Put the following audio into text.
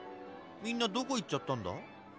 みんなどこ行っちゃったんだ？